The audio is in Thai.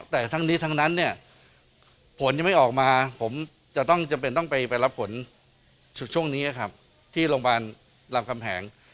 แต่ทั้งนี้ทั้งนั้นเนี่ยผลยังไม่ออกมาผมจะต้องจำเป็นต้องไปรับผลฝึกช่วงนี้ครับที่โรงพยาบาลรามคำแหง